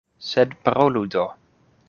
Sed parolu do.